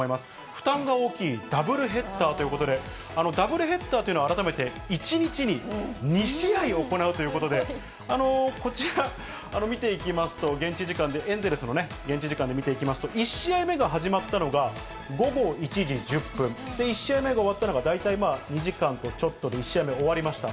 負担が大きいダブルヘッダーということで、ダブルヘッダーというのは改めて１日に２試合行うということで、こちら、見ていきますと、現地時間で、エンゼルスの現地時間で見ていきますと、１試合目が始まったのが午後１時１０分、１試合目が終わったのが大体２時間とちょっとで、１試合目終わりました。